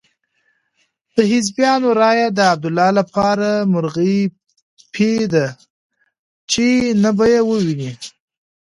د حزبیانو رایې د عبدالله لپاره مرغۍ پۍ دي چې نه به يې وویني.